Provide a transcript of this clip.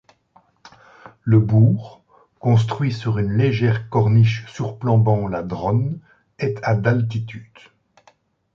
Le bourg, construit sur une légère corniche surplombant la Dronne, est à d'altitude.